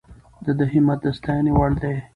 د ده همت د ستاینې وړ دی.